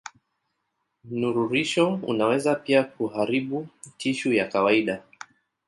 Mnururisho unaweza pia kuharibu tishu ya kawaida.